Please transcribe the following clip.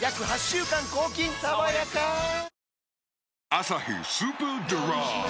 「アサヒスーパードライ」